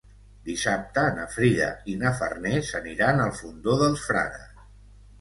Dissabte na Frida i na Farners aniran al Fondó dels Frares.